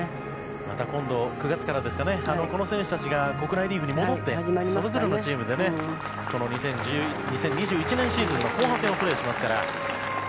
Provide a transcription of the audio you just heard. また今度９月からこの選手たちが国内リーグに戻ってそれぞれのチームでね２０２１年シーズンの後半戦をプレーしますから。